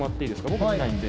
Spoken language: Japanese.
僕見ないんで。